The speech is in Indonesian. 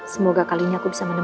semoga kalinya aku bisa menemukan